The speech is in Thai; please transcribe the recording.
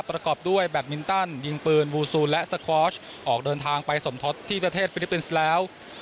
ประกอบด้วยแบตมินตันยิงปืนวูซูและสคอร์ชออกเดินทางไปสมทศที่ประเทศฟิลิปปินส์แล้ว